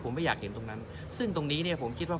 ผมไม่อยากเห็นตรงนั้นซึ่งตรงนี้เนี่ยผมคิดว่า